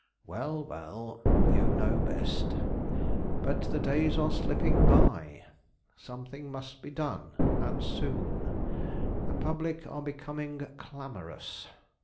"Well, well; you know best. But the days are slipping by. Something must be done, and soon. The public are becoming clamorous."